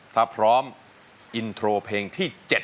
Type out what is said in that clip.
ถ้าพร้อมอินโทรเพลงที่๗มาครับ